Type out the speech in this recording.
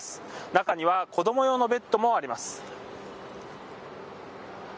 中には子ども用のベッドもあります。